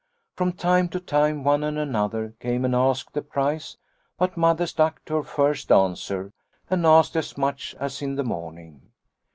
From time to time one and another came and asked the price, but Mother stuck to her first answer and asked as much as in the morning.